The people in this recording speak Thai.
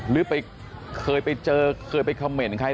หรือไปเคยไปเจอเคยไปคอมเมนต์ใคร